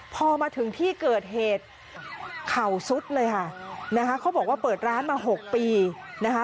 พอมาถึงที่เกิดเหตุเข่าซุดเลยค่ะนะคะเขาบอกว่าเปิดร้านมาหกปีนะคะ